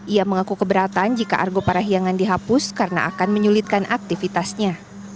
ia mengaku keberatan jika argo parahiangan dihapus karena akan menyulitkan aktivitasnya